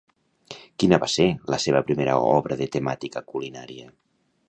Quina va ser la seva primera obra de temàtica culinària?